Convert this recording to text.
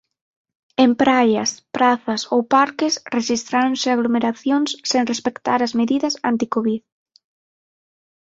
En praias, prazas ou parques rexistráronse aglomeracións sen respectar as medidas anticovid.